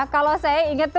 kalau saya ingat tuh